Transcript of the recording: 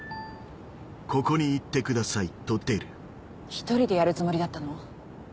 １人でやるつもりだったの？